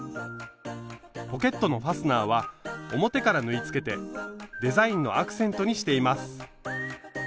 ポケットのファスナーは表から縫いつけてデザインのアクセントにしています。